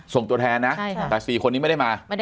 ส่งตัวแทนนะใช่ค่ะแต่๔คนนี้ไม่ได้มา